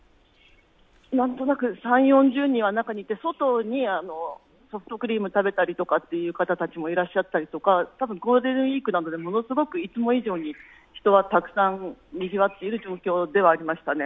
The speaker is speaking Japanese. なんとなく３０４０人は中にいて、外にソフトクリーム食べたりとかという方もいらっしゃったりとかゴールデンウイークなのでものすごくいつも以上に人はたくさんにぎわっている状況ではありました。